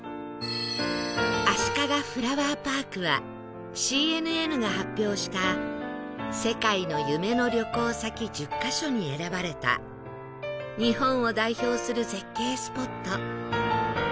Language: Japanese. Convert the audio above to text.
あしかがフラワーパークは ＣＮＮ が発表した世界の夢の旅行先１０カ所に選ばれた日本を代表する絶景スポット